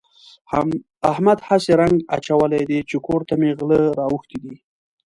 احمد هسې رنګ اچولی دی چې کور ته مې غله راوښتي دي.